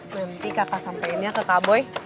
nanti kakak sampeinnya ke kak boy